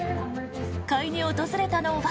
買いに訪れたのは。